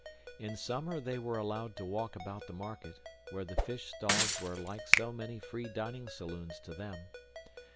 In summer they were allowed to walk about the market, where the fish stalls were like so many free dining saloons to them.